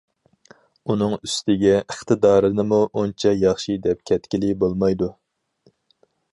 ئۇنىڭ ئۈستىگە ئىقتىدارىنىمۇ ئۇنچە ياخشى دەپ كەتكىلى بولمايدۇ.